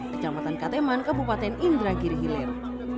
kecamatan kateman kepupaten indra girihilir